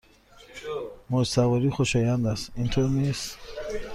موج سواری خوشایند است، اینطور نیست؟